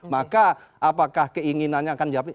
maka apakah keinginannya akan jawab